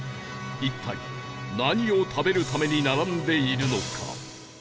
一体何を食べるために並んでいるのか？